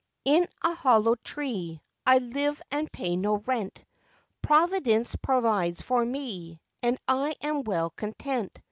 In a hollow tree I live, and pay no rent; Providence provides for me, And I am well content.